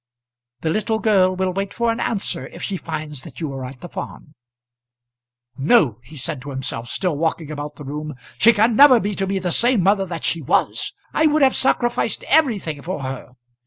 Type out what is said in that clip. The little girl will wait for an answer if she finds that you are at the farm. "No," he said to himself, still walking about the room. "She can never be to me the same mother that she was. I would have sacrificed everything for her.